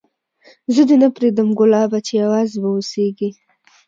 زه دي نه پرېږدم ګلابه چي یوازي به اوسېږې